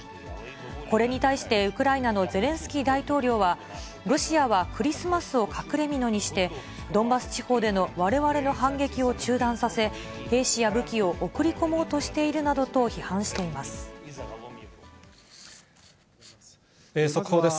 これに対してウクライナのゼレンスキー大統領は、ロシアはクリスマスを隠れみのにして、ドンバス地方でのわれわれの反撃を中断させ、兵士や武器を送り込もうとしているなどと批判しています。